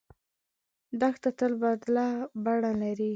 دښته تل بدله بڼه لري.